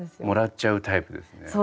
もらっちゃうタイプですね。